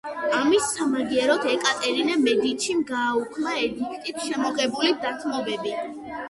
ამის სამაგიეროდ, ეკატერინე მედიჩიმ გააუქმა ედიქტით შემოღებული დათმობები.